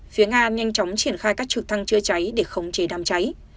phía nga nhanh chóng triển khai các trực thăng chưa cháy để khống chế đam cháy